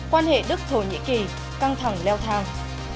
quan hệ đức thổ nhĩ kỳ căng thẳng leo thang